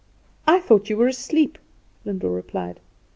"I thought you were asleep," Lyndall replied.